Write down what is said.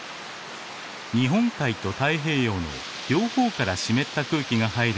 日本海と太平洋の両方から湿った空気が入る